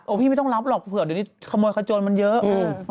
พี่ไม่ต้องรับหรอกเผื่อเดี๋ยวนี้ขโมยขโจนมันเยอะ